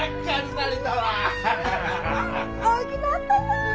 大きなったなぁ！